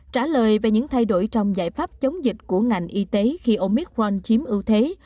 trả lời về những thay đổi trong giải pháp chống dịch của ngành y tế khi omicron chiếm ưu thế